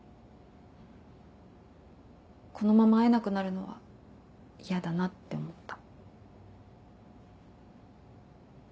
このまま会えなくなるのは嫌だなって思った。